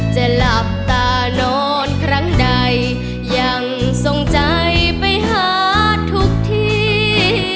จะหลับตานอนครั้งใดยังทรงใจไปหาทุกที